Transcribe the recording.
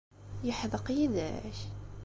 Yeḥdeq yid-k?